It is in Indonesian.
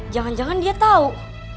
jangan jangan dia tau